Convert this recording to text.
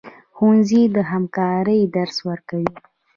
ښوونځی د همکارۍ درس ورکوي